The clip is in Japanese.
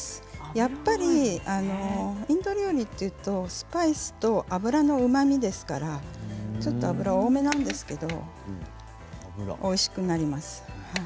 やっぱりインド料理というとスパイスと油のうまみですからちょっと油が多めなんですけれどもおいしくなります。